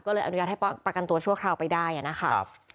ก็เลยอนุญาตให้ประกันตัวชั่วคราวไปได้นะคะ